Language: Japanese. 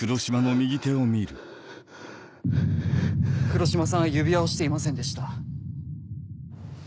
黒島さんは指輪をしていませんでした。